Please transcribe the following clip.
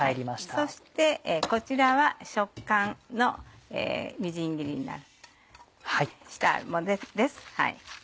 そしてこちらは食感のみじん切りにしたものです。